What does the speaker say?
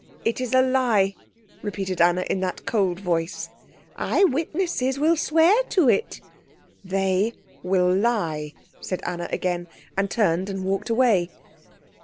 "It is a lie," repeated Anna, in that cold voice. "Eye witnesses will swear to it." "They will lie," said Anna again; and turned and walked away.